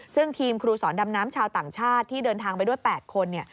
ซึ่งทีมครูสอนดำน้ำชาวต่างชาติที่เดินทางไปด้วย๘คน